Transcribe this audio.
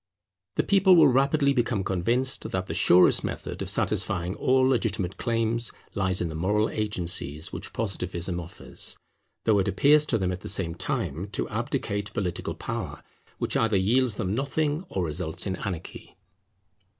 The people will rapidly become convinced that the surest method of satisfying all legitimate claims lies in the moral agencies which Positivism offers, though it appears to them at the same time to abdicate political power which either yields them nothing or results in anarchy.